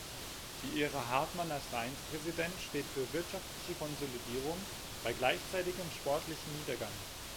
Die Ära Hartmann als Vereinspräsident steht für wirtschaftliche Konsolidierung bei gleichzeitigem sportlichen Niedergang.